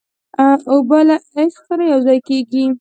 اوبه له عشق سره یوځای کېږي.